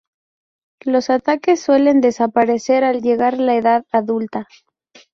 Los ataques suelen desaparecer al llegar a la edad adulta.